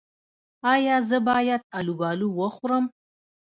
ایا زه باید الوبالو وخورم؟